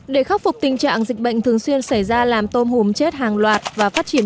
để khắc phục tình trạng dịch bệnh thường xuyên xảy ra làm tôm hùm chết hàng loạt và phát triển